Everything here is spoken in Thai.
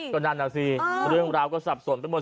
ก็นั่นแหละสิเพราะเรื่องราวก็สับสนไปหมด